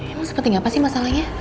emang seperti apa sih masalahnya